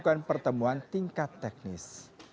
lakukan pertemuan tingkat teknis